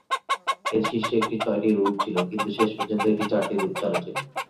এর শীর্ষে, এটির ছয়টি রুট ছিল, কিন্তু শেষ পর্যন্ত এটির চারটি রুট চালু ছিল।